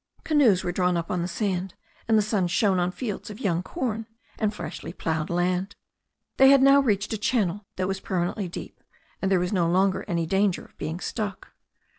Canoes ^were drawn up on the sand, and the sun shone on fields of young corn and freshly ploughed land. They had now reached a channel that was permanently deep, and there was no longer any danger of being stuck.